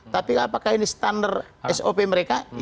tapi apakah ini standar sop mereka